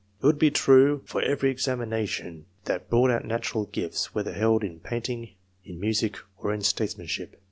It would be true for every examination that brought out natural gifts, whether held in painting, in music, or in statesmanship.